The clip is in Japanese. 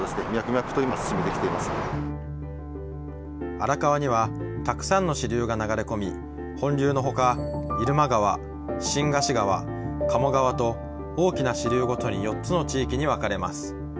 荒川にはたくさんの支流が流れ込み、本流のほか入間川、新河岸川、鴨川と大きな支流ごとに４つの地域に分かれます。